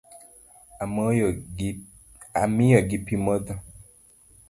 Amiyo gi pi gimodhi.